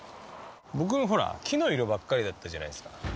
僕、ほら、木の色ばっかりだったじゃないですか。